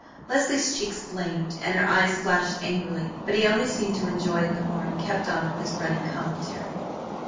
Leslie's cheeks flamed and her eyes flashed angrily, but he only seemed to enjoy it the more, and kept on with his running commentary.